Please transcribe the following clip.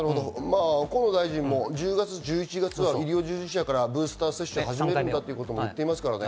河野大臣も１０月、１１月は医療従事者からブースター接種を始めようという話もしています。